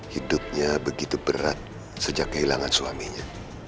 hidupnya begitu berat sejak kehilangan suaminya